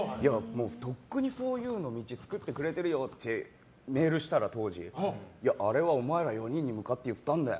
とっくにふぉゆの道を作ってくれているよって当時、メールしたらいや、あれはお前ら４人に向かって言ったんだよ。